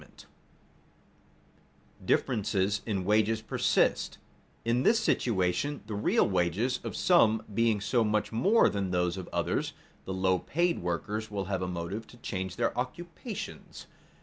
[Sidenote: Differences in wages persist] In this situation the real wages of some being so much more than those of others, the low paid workers will have a motive to change their occupations.